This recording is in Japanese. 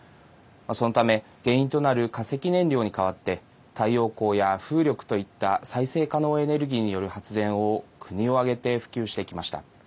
そのため、原因となる化石燃料に代わって太陽光や風力といった再生可能エネルギーによる発電を国を挙げて普及してきました。